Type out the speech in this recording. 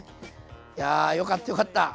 いやよかったよかった。